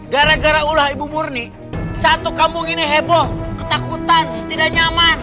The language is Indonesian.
gara gara ulah ibu murni satu kampung ini heboh ketakutan tidak nyaman